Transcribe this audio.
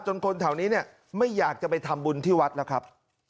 จนคนแถวนี้ไม่อยากจะไปทำบุญที่วัดนะครับ